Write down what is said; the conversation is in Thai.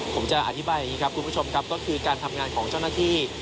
ผมจะอธิบายอย่างนี้ครับคุณผู้ชมครับก็คือการทำงานของเจ้าหน้าที่